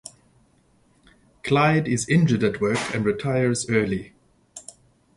Clyde is injured at work and retires early.